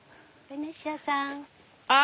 ベニシアさん